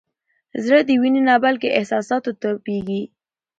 زړه د وینې نه بلکې احساساتو تپېږي.